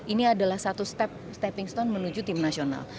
ini adalah satu step stepping stone menuju tim nasional